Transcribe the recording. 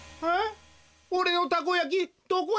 おれのたこやきどこや！？